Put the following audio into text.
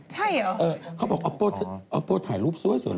ใช่เหรอเขาบอกอัปโบถ่ายรูปสวยเหรอ